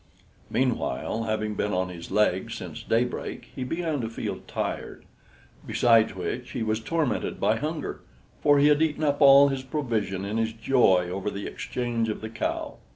Meanwhile, having been on his legs since daybreak, he began to feel tired; besides which, he was tormented by hunger, for he had eaten up all his provision in his joy over the exchange of the cow.